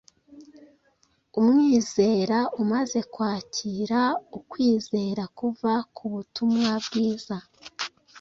Umwizera umaze kwakira ukwizera kuva ku butumwa bwiza,